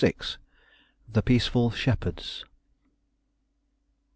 THE PEACEFUL SHEPHERDS.